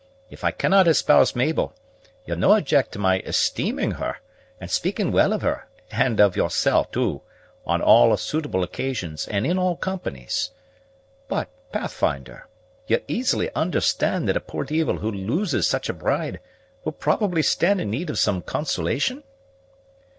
If I cannot espouse Mabel, ye'll no object to my esteeming her, and speaking well of her, and of yoursal', too, on all suitable occasions and in all companies. But, Pathfinder, ye'll easily understan' that a poor deevil who loses such a bride will probably stand in need of some consolation?"